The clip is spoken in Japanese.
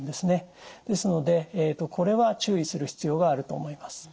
ですのでこれは注意する必要があると思います。